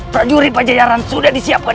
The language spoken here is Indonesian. prajuri pajajaran sudah disiapkan